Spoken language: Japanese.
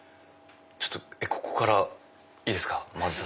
ここからいいですか混ぜて。